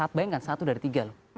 jadi bayangkan satu dari tiga loh